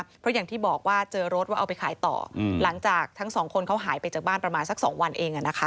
เพราะอย่างที่บอกว่าเจอรถว่าเอาไปขายต่อหลังจากทั้งสองคนเขาหายไปจากบ้านประมาณสัก๒วันเอง